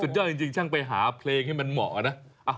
ยอดจริงช่างไปหาเพลงให้มันเหมาะนะ